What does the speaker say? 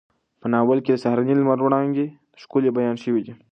په ناول کې د سهارني لمر وړانګې ښکلې بیان شوې دي.